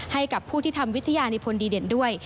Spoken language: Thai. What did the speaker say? ให้กับผู้ที่ทำวิทยานิพลดีเด่นด้วย